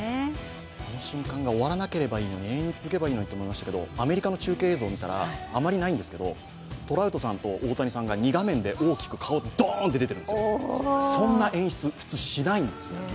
あの瞬間が終わらなければいいのに、永遠に続けばいいのにと思ったんですけど、アメリカの中継見たらあまりないんですけど、トラウトさんと大谷さんが２画面で大きく顔、ドーンと出てるんです、そんな演出しないんです。